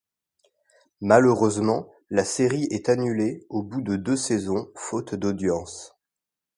Malheureusement, la série est annulée au bout de deux saisons, faute d'audiences.